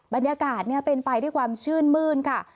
บรรยากาศเป็นไปด้วยความชื่นมื้นค่ะ